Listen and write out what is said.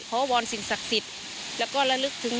ขอบรรย์สินศักดิ์สิทธิ์และก็ละลึกถึง